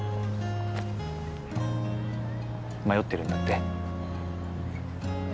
迷ってるんだって？